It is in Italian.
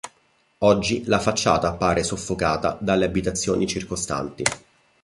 Oggi la facciata appare soffocata dalle abitazioni circostanti.